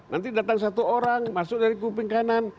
nanti datang satu orang masuk dari kuping kanan